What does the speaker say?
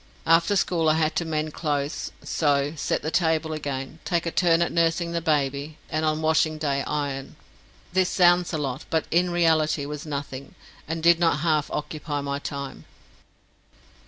After school I had to mend clothes, sew, set the table again, take a turn at nursing the baby, and on washing day iron. This sounds a lot, but in reality was nothing, and did not half occupy my time.